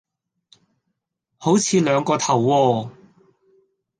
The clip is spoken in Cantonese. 好似兩個頭喎